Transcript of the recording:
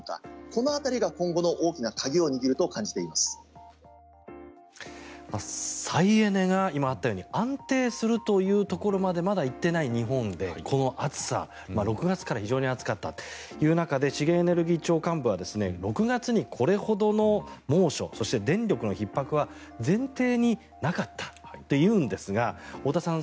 この辺りが今後の大きな鍵を握ると再エネが今あったように安定するというところまでまだ行っていない日本でこの暑さ、６月から非常に暑かったという中で資源エネルギー庁幹部は６月にこれほどの猛暑そして電力のひっ迫は前提になかったって言うんですが太田さん